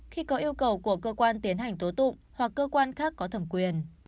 khi có yêu cầu của cơ quan tiến hành tố tụng hoặc cơ quan khác có thẩm quyền